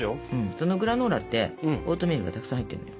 そのグラノーラってオートミールがたくさん入ってんのよ。